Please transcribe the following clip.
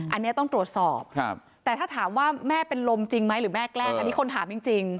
อันนี้ต้องตรวจสอบแต่ถ้าถามว่าแม่เป็นลมจริงไหมหรือแม่แกล้งอันนี้คนถามจริง